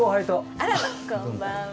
あららこんばんは。